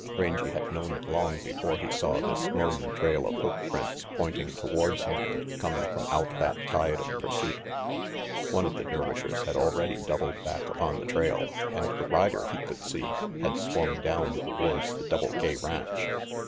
Rangy had known it long before he saw this lone trail of hoof prints pointing towards him and coming from out that tide of pursuit. One of the Dervishers had already doubled back upon the trail, and the rider, he could see, had swung down towards the Double K ranch.